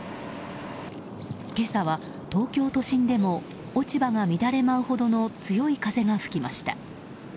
今朝は東京都心でも落ち葉が乱れ舞うほどの強い風が吹きました。